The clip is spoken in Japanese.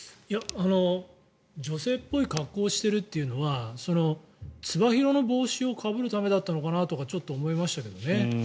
女性っぽい格好をしているというのはつば広の帽子をかぶるためだったのかなとかちょっと思いましたけどね。